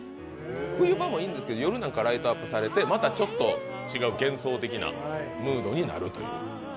冬場もいいんですけど夜になるとライトアップされてまたちょっと違う幻想的なムードになるという。